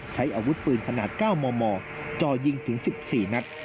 ใช้อาวุธปืนขนาด๙มมจ่อยิงถึง๑๔นัด